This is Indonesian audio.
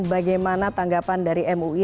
bagaimana tanggapan dari mui